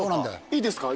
いいですか？